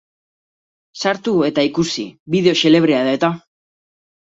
Sartu eta ikusi bideo xelebrea da eta!